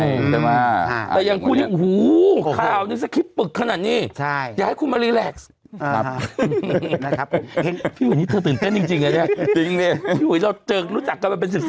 แต่ยังคุณว่าโอ้โห